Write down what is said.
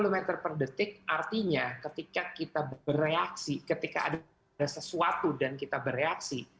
lima puluh meter per detik artinya ketika kita bereaksi ketika ada sesuatu dan kita bereaksi